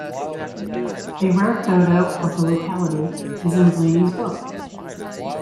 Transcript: A rare photo of the locality is in Blaineys book.